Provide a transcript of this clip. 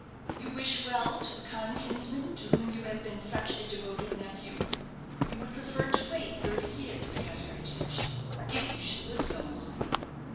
You wish well to the kind kinsman to whom you have been such a devoted nephew! You would prefer to wait thirty years for your heritage if you should live so long!"